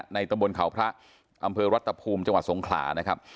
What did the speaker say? ตะบนเขาพระอำเภอรัตภูมิจังหวัดสงขลานะครับ